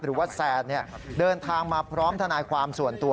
หรือว่าแซนเดินทางมาพร้อมทนายความส่วนตัว